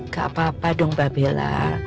gak apa apa dong mbak bella